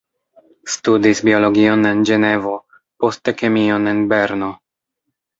Studis biologion en Ĝenevo, poste kemion en Berno.